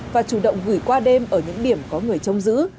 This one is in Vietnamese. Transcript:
và chủ động gửi qua đêm ở những điểm có người trông giữ